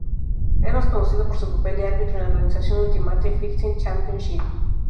Es más conocido por su papel de árbitro en la organización Ultimate Fighting Championship.